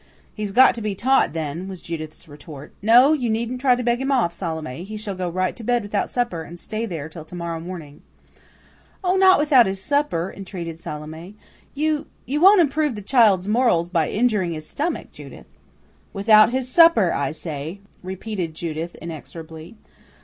"He's got to be taught, then," was Judith's retort. "No, you needn't try to beg him off, Salome. He shall go right to bed without supper, and stay there till to morrow morning." "Oh! not without his supper," entreated Salome. "You you won't improve the child's morals by injuring his stomach, Judith." "Without his supper, I say," repeated Judith inexorably.